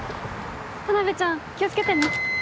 田辺ちゃん気を付けてね。